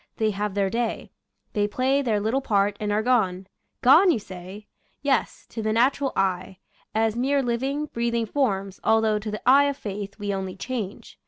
They have their day; they play their little part, and are gone. Gone, you say? Yes, to the natural eye — as mere living, breathing forms, although to the eye of faith we only change.